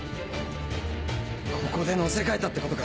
ここで乗せ換えたってことか。